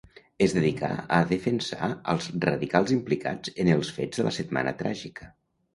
Es dedicà a defensar als radicals implicats en els fets de la Setmana Tràgica.